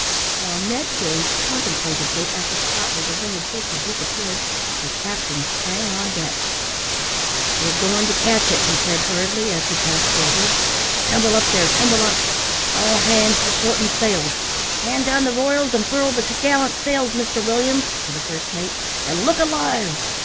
While Ned gazed contemplatively at the spot where the winged fish had disappeared, the captain sprang on deck. "We're goin' to catch it," he said, hurriedly, as he passed forward; "tumble up, there; tumble up; all hands to shorten sails. Hand down the royals, and furl the t'gallant sails, Mr Williams, (to the first mate,) and look alive."